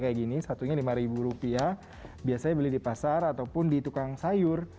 kayak gini satunya lima ribu rupiah biasanya beli di pasar ataupun di tukang sayur